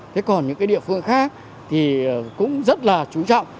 thế còn những cái địa phương khác thì cũng rất là chú trọng